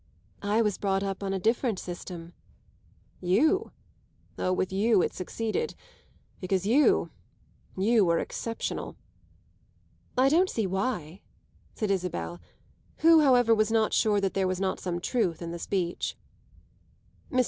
"I was brought up on a different system." "You? Oh, with you it succeeded, because you you were exceptional." "I don't see why," said Isabel, who, however, was not sure there was not some truth in the speech. Mr.